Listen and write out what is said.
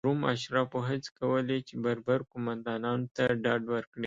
د روم اشرافو هڅې کولې چې بربر قومندانانو ته ډاډ ورکړي.